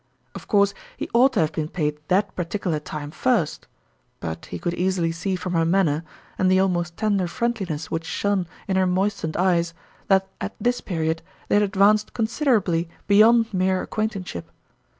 Of course he ought to have been paid that particular time first; but he could easily see from her manner, and the almost tender friendliness which shone in her moistened eyes, that at this period they had advanced considerably beyond mere ac quaintanceship.